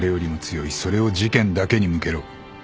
それを事件だけに向けろ。